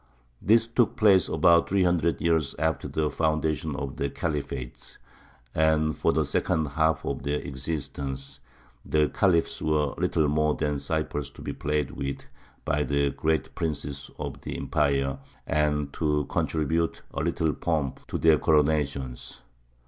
This took place about three hundred years after the foundation of the Khalifate; and for the second half of their existence the Khalifs were little more than ciphers to be played with by the great princes of the empire and to contribute a little pomp to their coronations.